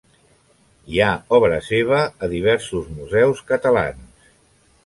Hi ha obra seva a diversos museus catalans.